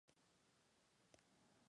El último film de Corrigan fue "It!